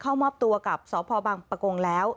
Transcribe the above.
เข้ามอบตัวกับสพบังปะกงแล้ว